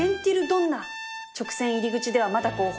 直線入り口ではまだ後方